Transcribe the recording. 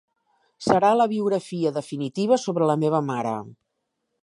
Serà la biografia definitiva sobre la meva mare.